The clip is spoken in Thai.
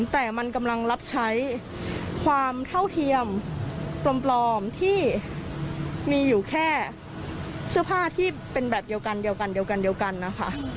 แต่มันกำลังรับใช้ความเท่าเทียมปลอมที่มีอยู่แค่เสื้อผ้าที่เป็นแบบเดียวกันเดียวกันนะคะ